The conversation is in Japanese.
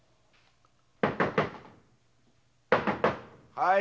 はい！